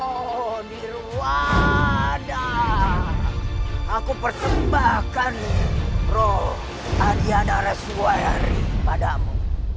oh di ruwanda aku persembahkan roh adiada reswayari padamu